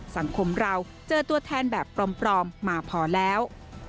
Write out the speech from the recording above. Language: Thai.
สังคมเราเจอตัวแทนแบบปลอมมาพอแล้ว